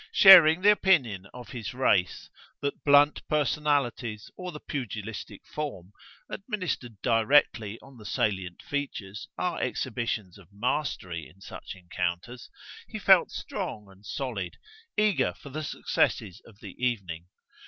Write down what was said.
Sharing the opinion of his race, that blunt personalities, or the pugilistic form, administered directly on the salient features, are exhibitions of mastery in such encounters, he felt strong and solid, eager for the successes of the evening.